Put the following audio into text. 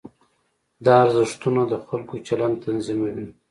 دا ارزښتونه د خلکو چلند تنظیموي.